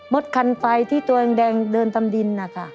มดคันไฟที่ตัวอังแรงเดินตามดินอะค่ะ